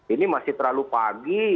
ini masih terlalu pagi